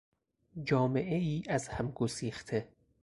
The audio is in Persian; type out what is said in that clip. جامعهی از هم گسیخته